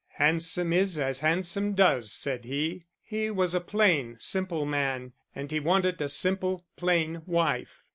"Handsome is as handsome does," said he; he was a plain, simple man and he wanted a simple, plain wife.